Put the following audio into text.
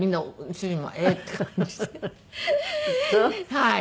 はい。